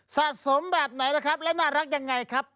สะสมแบบไหนนะครับและน่ารักยังไงครับ